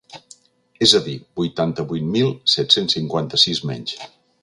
És a dir, vuitanta-vuit mil set-cents cinquanta-sis menys.